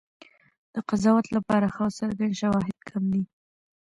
د قضاوت لپاره ښه او څرګند شواهد کم دي.